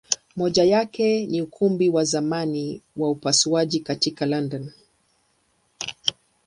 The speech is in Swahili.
Moja yake ni Ukumbi wa zamani wa upasuaji katika London.